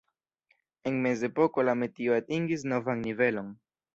En Mezepoko la metio atingis novan nivelon.